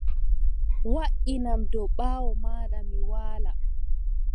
Waʼinam dow ɓaawo maaɗa mi waala.